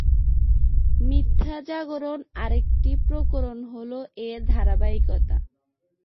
মিথ্যা জাগরণ আরেকটি প্রকরণ হলো এর ধারাবাহিকতা।